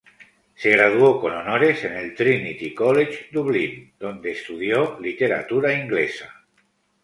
Se graduó con honores en el Trinity College Dublin, donde estudió Literatura Inglesa.